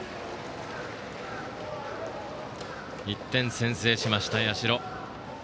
１点先制しました、社。